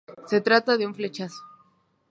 Se trata de un flechazo.